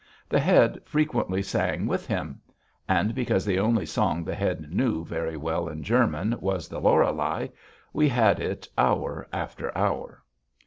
The Head frequently sang with him. And because the only song the Head knew very well in German was the "Lorelei," we had it hour after hour.